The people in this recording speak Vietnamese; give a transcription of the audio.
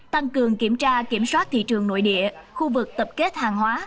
tăng cường kiểm tra kiểm soát thị trường nội địa khu vực tập kết hàng hóa